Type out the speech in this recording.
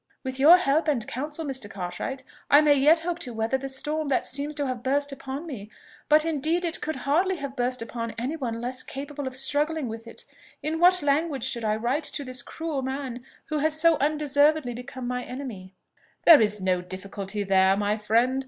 "With your help and counsel, Mr. Cartwright, I may yet hope to weather the storm that seems to have burst upon me; but indeed it could hardly have burst upon any one less capable of struggling with it! In what language should I write to this, cruel man, who has so undeservedly become my enemy?" "There is no difficulty there, my friend.